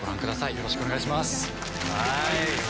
よろしくお願いします。